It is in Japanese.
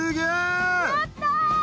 やった！